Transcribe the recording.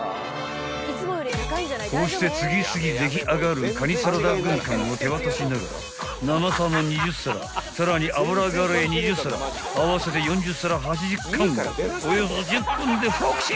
［こうして次々出来上がるかにサラダ軍艦を手渡しながら生サーモン２０皿さらにあぶらがれい２０皿合わせて４０皿８０貫をおよそ１０分でフォクシー！］